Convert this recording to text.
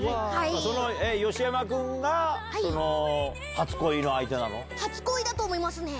その吉山君が初恋の初恋だと思いますね。